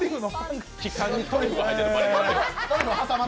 気管にトリュフが入ってる。